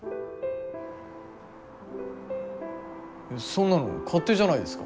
そんなの勝手じゃないですか。